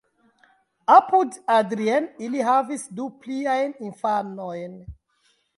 Apud Adrien ili havis du pliajn infanojn.